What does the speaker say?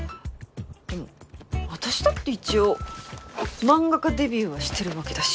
でも私だって一応漫画家デビューはしてるわけだし。